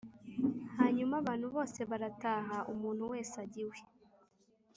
Hanyuma abantu bose barataha, umuntu wese ajya iwe.